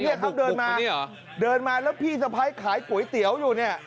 เนี่ยเขาเดินมาเดินมาแล้วพี่สะพ้ายขายก๋วยเตี๋ยวอยู่เนี่ย